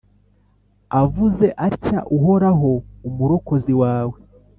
avuze atya uhoraho, umurokozi wawe,